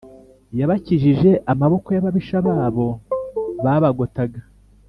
Yabakijije amaboko y ababisha babo babagotaga